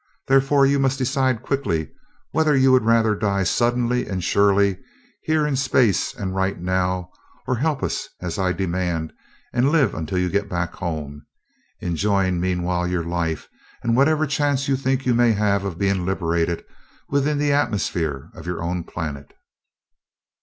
Therefore you must decide quickly whether you would rather die suddenly and surely, here in space and right now, or help us as I demand and live until you get back home enjoying meanwhile your life and whatever chance you think you may have of being liberated within the atmosphere of your own planet."